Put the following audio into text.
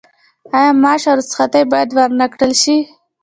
آیا معاش او رخصتي باید ورنکړل شي؟